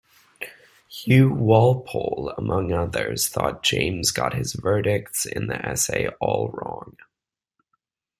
Hugh Walpole, among others, thought James got his verdicts in the essay all wrong.